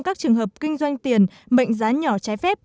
các trường hợp kinh doanh tiền mệnh giá nhỏ trái phép